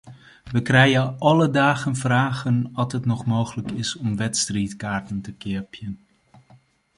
Wy krije alle dagen fragen oft it noch mooglik is om wedstriidkaarten te keapjen.